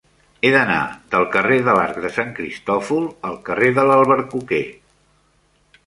He d'anar del carrer de l'Arc de Sant Cristòfol al carrer de l'Albercoquer.